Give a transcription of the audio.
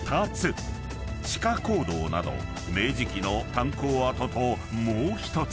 ［地下坑道など明治期の炭鉱跡ともう１つ］